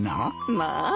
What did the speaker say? まあ。